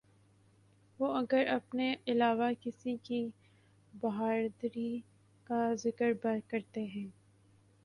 وہ اگر اپنے علاوہ کسی کی بہادری کا ذکر کرتے ہیں۔